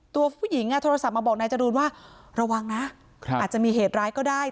ตัวผู้หญิงโทรศัพท์มาบอกนายจรูนว่าระวังนะอาจจะมีเหตุร้ายก็ได้